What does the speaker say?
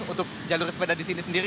untuk jalur sepeda di sini sendiri